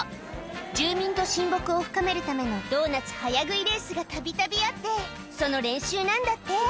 住民と親睦を深めるためのドーナツ早食いレースがたびたびあって、その練習なんだって。